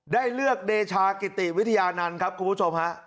ได้เลือกเดชากิติวิทยานันต์ครับคุณผู้ชมฮะ